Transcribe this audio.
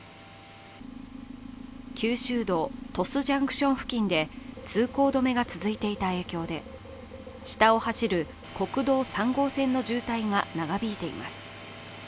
九州道・鳥栖ジャンクション付近で通行止めが続いていた影響で下を走る国道３号線の渋滞が長引いています。